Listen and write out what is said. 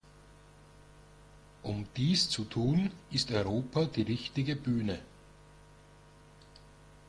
Um dies zu tun, ist Europa die richtige Bühne.